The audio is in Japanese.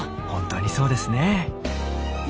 本当にそうですね。